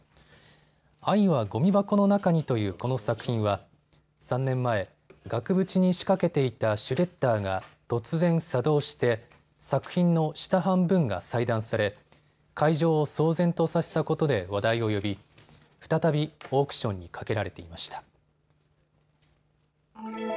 愛はごみ箱の中にというこの作品は３年前、額縁に仕掛けていたシュレッダーが突然作動して作品の下半分が細断され、会場を騒然とさせたことで話題を呼び再び、オークションにかけられていました。